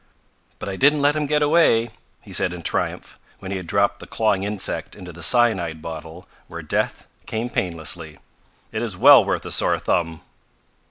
"But I didn't let him get away," he said in triumph when he had dropped the clawing insect into the cyanide bottle where death came painlessly. "It is well worth a sore thumb."